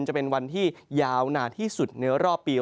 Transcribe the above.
จะเป็นวันที่ยาวหนาที่สุดในรอบปี